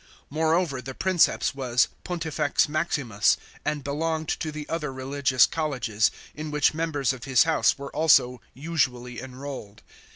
Moreover the Princeps was Pontifex Maximus,§ and belonged to the other religious colleges, in which members of his house were also usually enrolled.